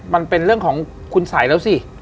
มันเป็นเรื่องของคุณสัยแล้วสิ